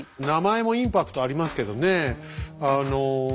名前もインパクトありますけどね。